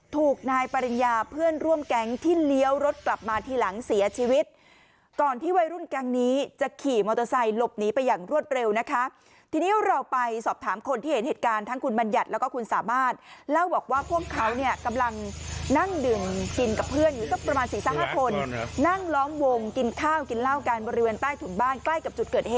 ถูกนายปริญญาเพื่อนร่วมแก๊งที่เลี้ยวรถกลับมาทีหลังเสียชีวิตก่อนที่วัยรุ่นแก๊งนี้จะขี่มอเตอร์ไซค์หลบหนีไปอย่างรวดเร็วนะคะทีนี้เราไปสอบถามคนที่เห็นเหตุการณ์ทั้งคุณบัญญัติแล้วก็คุณสามารถเล่าบอกว่าพวกเขาเนี่ยกำลังนั่งดื่มกินกับเพื่อนอยู่สักประมาณสี่ห้าคนนั่งล้อมวงกินข้าวกินเหล้ากันบริเวณใต้ถุนบ้านใกล้กับจุดเกิดเหตุ